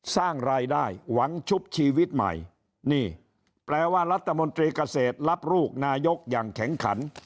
สร้างรายได้หวังชุบชีวิตใหม่นี่แปลว่ารัฐมนตรีเกษตรรับลูกนายกอย่างแข็งขัน